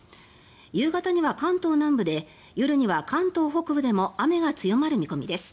夕方には関東南部で夜には関東北部でも雨が強まる見込みです。